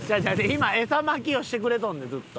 今エサ撒きをしてくれとんねんずっと。